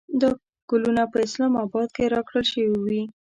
دا ګلونه په اسلام اباد کې راکړل شوې وې.